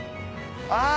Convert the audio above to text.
あ！